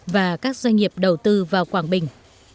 và các doanh nghiệp đầu tư vào quảng bình